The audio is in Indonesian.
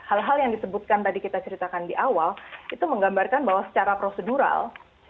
hal hal yang disebutkan tadi kita ceritakan di awal itu menggambarkan bahwa secara prosedural